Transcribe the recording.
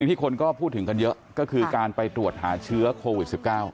ที่คนก็พูดถึงกันเยอะก็คือการไปตรวจหาเชื้อโควิด๑๙